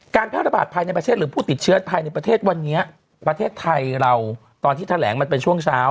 แพร่ระบาดภายในประเทศหรือผู้ติดเชื้อภายในประเทศวันนี้ประเทศไทยเราตอนที่แถลงมันเป็นช่วงเช้า